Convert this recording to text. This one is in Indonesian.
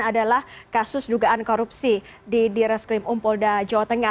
adalah kasus dugaan korupsi di di reskrim umpolda jawa tengah